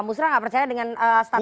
musrah gak percaya dengan stati